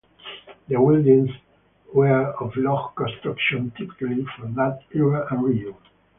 The buildings were of log construction typically for that era and region.